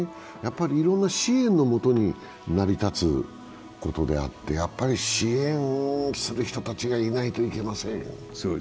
いろんな支援のもとに成り立つことであって、支援する人たちがいないといけません。